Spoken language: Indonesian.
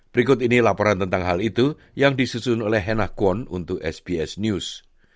berikut ini laporan tentang hal itu yang disusun oleh hena kuon untuk sbs news